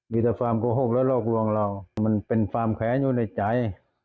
มีแต่ความโกหกและหลอกลวงเรามันเป็นความแค้นอยู่ในใจ